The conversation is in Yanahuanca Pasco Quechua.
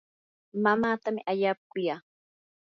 mamaatami allaapa kuya.